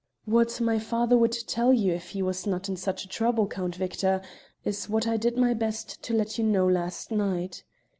"What my father would tell you, if he was not in such a trouble, Count Victor, is what I did my best to let you know last night.